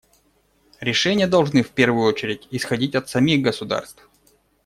Решения должны, в первую очередь, исходить от самих государств.